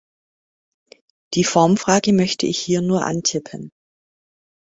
Die Formfrage möchte ich hier nur antippen.